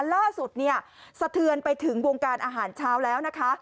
ล่าสุดเนี่ยสะเทือนไปถึงวงการอาหารเช้าแล้วนะคะ